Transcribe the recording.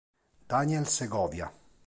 Daniel Segovia